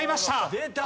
出た！